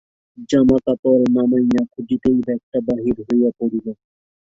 আমাকাপড় নামাইয়া খুঁজিতেই ব্যাগটা বহির হইয়া পড়িল।